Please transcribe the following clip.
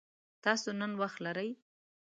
تاسو نن وخت لری؟